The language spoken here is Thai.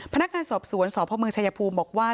พนักงานสอบสวนสพเมืองชายภูมิบอกว่า